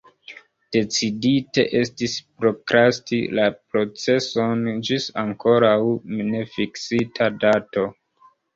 Decidite estis prokrasti la proceson ĝis ankoraŭ nefiksita dato.